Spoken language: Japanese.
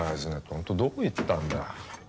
本当どこ行ったんだよ。